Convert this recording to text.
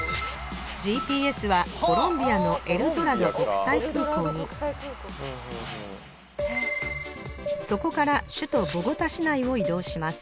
ＧＰＳはコロンビアのエルドラド国際空港にそこから首都ボゴタ市内を移動します